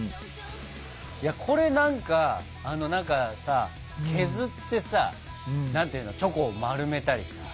これ何かさ削ってさチョコを丸めたりさ。